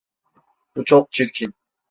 Bu çok çirkin.